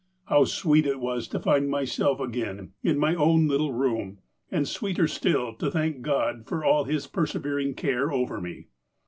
" How sweet it was to find myself again in my own little room ; and, sweeter still, to thank God for all His preserving care over me.